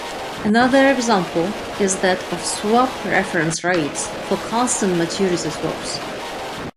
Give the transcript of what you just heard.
Another example is that of swap reference rates for constant maturity swaps.